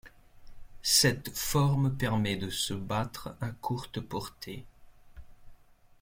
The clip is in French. Cette forme permet de se battre à courte portée.